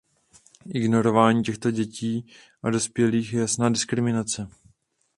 Ignorování těchto dětí a dospělých je jasná diskriminace.